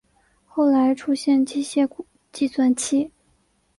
后来出现机械计算器。